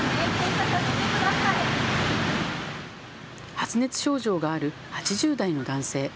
発熱症状がある８０代の男性。